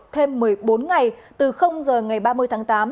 thêm một mươi bốn ngày từ giờ ngày ba mươi tháng tám